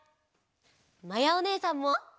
まやおねえさんも。